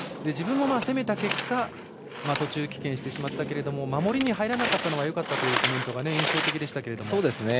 自分も攻めた結果途中棄権してしまったけど守りに入らなかったのはよかったというコメントが印象的でしたけど。